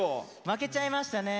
負けちゃいましたね。